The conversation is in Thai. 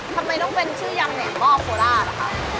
ทำไมต้องเป็นชื่อยำแหน่มหม้อโคลราหรอครับ